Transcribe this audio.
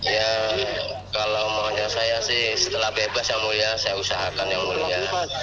ya kalau maunya saya sih setelah bebas ya mulia saya usahakan yang mulia